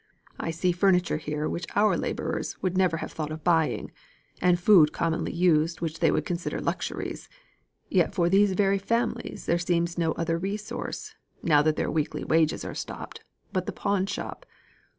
I see furniture here which our labourers would never have thought of buying, and food commonly used which they would consider luxuries; yet for these very families there seems no other resource now that their weekly wages are stopped, but the pawn shop.